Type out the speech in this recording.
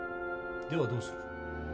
ではどうする？